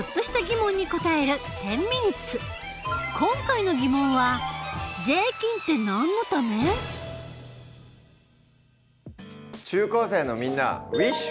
今回の疑問は中高生のみんなウィッシュ！